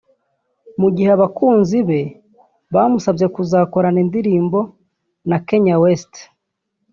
Mu gihe abakunzi be bamusabye kuzakorana indirimbo na Kanye West